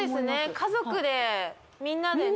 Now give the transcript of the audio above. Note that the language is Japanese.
家族でみんなでね